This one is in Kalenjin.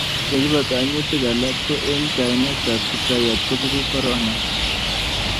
ye kiba kaimutik alak ko eng' kainet ab kiptayat ko beku corona